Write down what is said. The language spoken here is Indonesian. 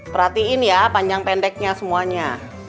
perhatiin ya panjang pendeknya semuanya